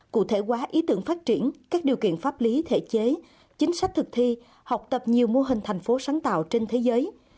cụ thể quá ý tưởng phát triển các điều kiện pháp lý thể chế chính sách thực thi học tập nhiều mô hình thành phố sáng tạo trên thế giới